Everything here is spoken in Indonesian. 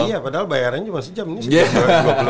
iya padahal bayarannya cuma sejam